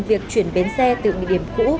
việc chuyển bến xe từ địa điểm cũ